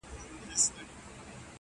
پښتین ته:!.